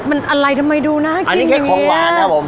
มันอะไรทำไมดูน่ากินอันนี้แค่ของหวานครับผม